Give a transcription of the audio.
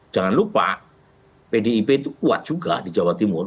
jangan lupa pdip itu kuat juga di jawa timur